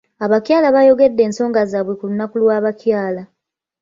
Abakyala baayogedde ensonga zaabwe ku lunaku lw'abakyala.